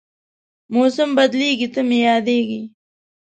موسم بدلېږي، ته مې یادېږې